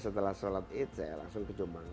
setelah sholat id saya langsung ke jombang